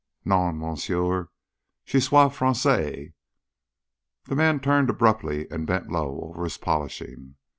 "Non, monsieur; je suis Francais." The man turned abruptly and bent low over his polishing.